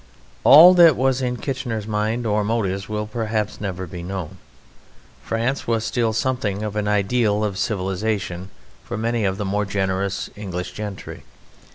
All that was in Kitchener's mind or motives will perhaps never be known. France was still something of an ideal of civilisation for many of the more generous English gentry.